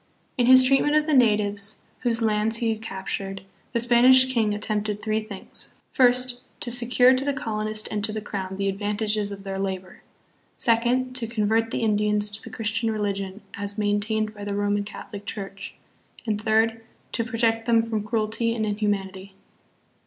In his treat ment of the natives, whose lands he captured, the Span ish king attempted three things, first, to secure to the colonist and to the crown the advantages of their labor, second, to convert the Indians to the Christian religion as maintained by the Roman Catholic Church, and third, to protect them from cruelty and inhumanity.